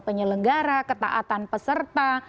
penyelenggara ketaatan peserta